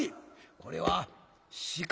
これは鹿か？」。